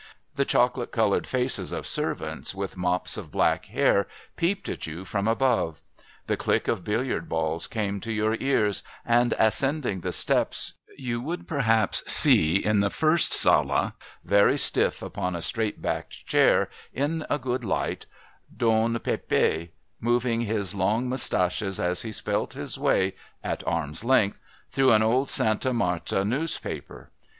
The chocolate coloured faces of servants with mops of black hair peeped at you from above; the click of billiard balls came to your ears, and, ascending the steps, you would perhaps see in the first sala, very stiff upon a straight backed chair, in a good light, Don Pépé moving his long moustaches as he spelt his way, at arm's length, through an old Sta Marta newspaper.